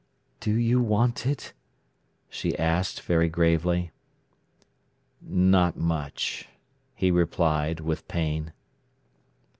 "Do you want it?" she asked, very gravely. "Not much," he replied, with pain.